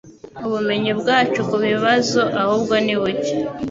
Ubumenyi bwacu kubibazo ahubwo ni buke